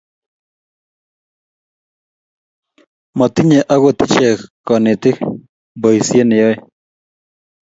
Matinye akot ichek konetik boisie ne yoe